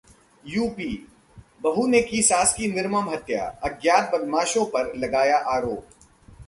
UP बहु ने की सास की निर्मम हत्या, अज्ञात बदमाशों पर लगाया आरोप